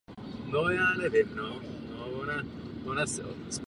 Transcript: S francouzským družstev vybojoval tituly mistra světa a Evropy.